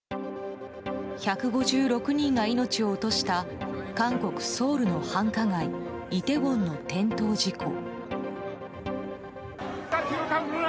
１５６人が命を落とした韓国ソウルの繁華街イテウォンの転倒事故。